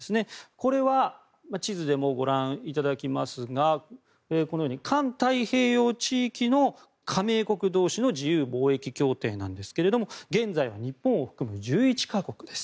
これは、地図でもご覧いただきますがこのように環太平洋地域の加盟国同士の自由貿易協定ですが現在は日本を含む１１か国です。